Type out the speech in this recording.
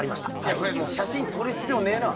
いやこれもう写真撮る必要ねえな。